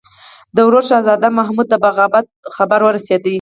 د ورور شهزاده محمود د بغاوت خبر ورسېدی.